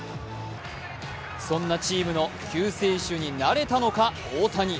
そんなチームの救世主になれたのか、大谷。